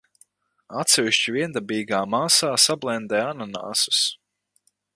Atsevišķi viendabīgā masā sablendē ananāsus.